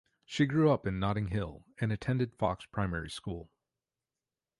She grew up in Notting Hill and attended Fox Primary School.